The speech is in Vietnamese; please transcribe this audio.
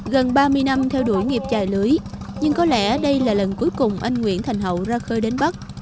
gần ba mươi năm theo đuổi nghiệp dài lưới nhưng có lẽ đây là lần cuối cùng anh nguyễn thành hậu ra khơi đến bắc